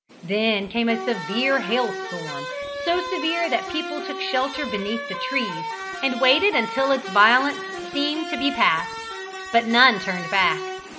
Then came a severe hailstorm so severe that the people took shelter beneath the trees, and waited until its violence seemed to be passed. But none turned back.